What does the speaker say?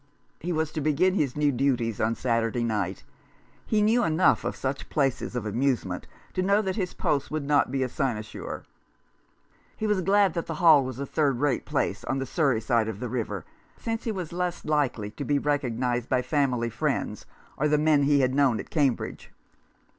He was to begin his new duties on Saturday night. He knew enough of such places of amuse ment to know that his post would not be a sinecure. He was glad that the Hall was a third rate place, on the Surrey side of the river, since he was less likely to be recognized by family friends, or the men he had known at Cambridge.